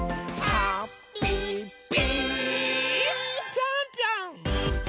ぴょんぴょん！